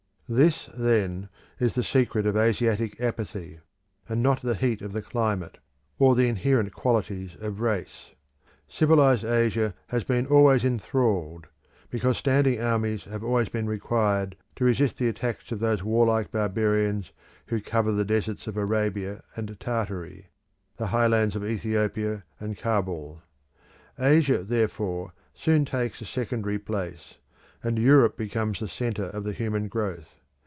This, then, is the secret of Asiatic apathy, and not the heat of the climate, or the inherent qualities of race. Civilised Asia has been always enthralled, because standing armies have always been required to resist the attacks of those warlike barbarians who cover the deserts of Arabia and Tartary, the highlands of Ethiopia and Kabul. Asia, therefore, soon takes a secondary place, and Europe becomes the centre of the human growth.